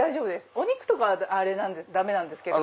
お肉とかはダメなんですけど。